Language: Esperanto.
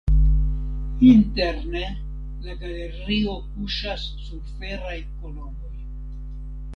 Interne la galerio kuŝas sur feraj kolonoj.